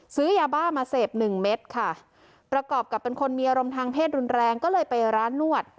ซื้อยาบ้ามาเสพหนึ่งเม็ดค่ะประกอบกับเป็นคนมีอารมณ์ทางเพศรุนแรงก็เลยไปร้านนวด